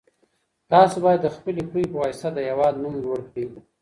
تاسو بايد د خپلي پوهي په واسطه د هېواد نوم لوړ کړئ.